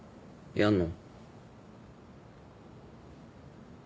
やんの？